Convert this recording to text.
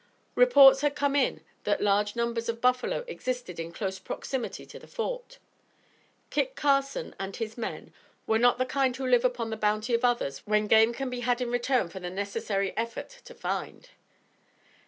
Reports had come in that large numbers of buffalo existed in close proximity to the Fort. Kit Carson and his men were not the kind who live upon the bounty of others when game can be had in return for the necessary effort to find.